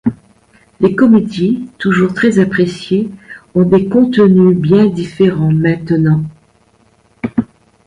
Les comédies, toujours très appréciées, ont des contenus bien différents maintenant.